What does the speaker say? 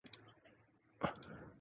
Karen Zarker is the senior editor.